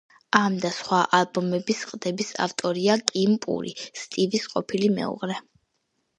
ამ და სხვა ალბომების ყდების ავტორია კიმ პური, სტივის ყოფილი მეუღლე.